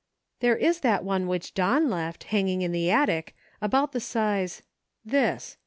There is that one which Don left, hanging in the attic, about the size ,. this.